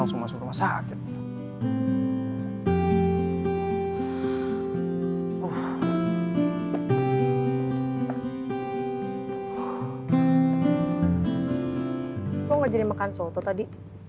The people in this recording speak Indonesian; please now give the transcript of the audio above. kok jadi makan soto tadi